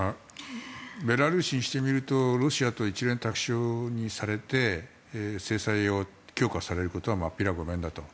ベラルーシにしてみるとロシアと一蓮托生にされて制裁を強化されることはまっぴらごめんだと。